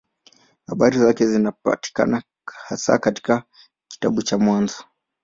Habari zake zinapatikana hasa katika kitabu cha Mwanzo.